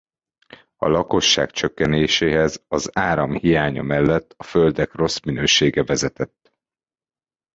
A lakosság csökkenéséhez az áram hiánya mellett a földek rossz minősége vezetett.